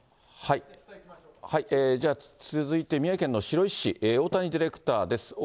じゃあ続いて、宮城県の白石市、大谷ディレクターです。